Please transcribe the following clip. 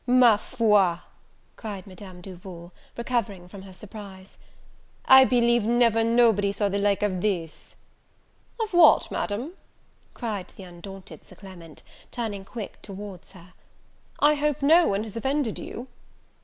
"Ma foi," cried Madame Duval, recovering from her surprise, "I believe never nobody saw the like of this!" "Of what, Madam?" cried the undaunted Sir Clement, turning quick towards her; "I hope no one has offended you!"